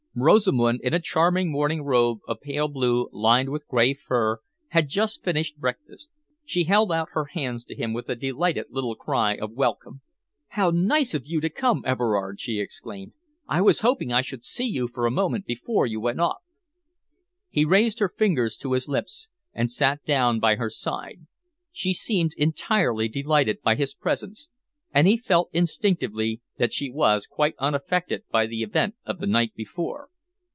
Rosamund, in a charming morning robe of pale blue lined with grey fur, had just finished breakfast. She held out her hands to him with a delighted little cry of welcome. "How nice of you to come, Everard!" she exclaimed. "I was hoping I should see you for a moment before you went off." He raised her fingers to his lips and sat down by her side. She seemed entirely delighted by his presence, and he felt instinctively that she was quite unaffected by the event of the night before.